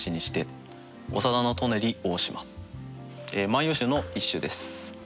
「万葉集」の一首です。